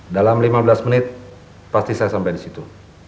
dalam lima belas menit pasti saya sampai di situ